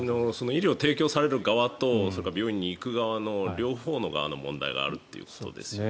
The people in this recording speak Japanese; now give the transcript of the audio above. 医療を提供される側と病院に行く側の両方の側の問題があると思います。